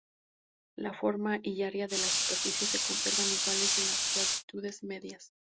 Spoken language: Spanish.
La forma y área de la superficie se conservan iguales en las latitudes medias.